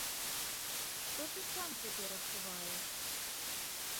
І што ты сам цяпер адчуваеш?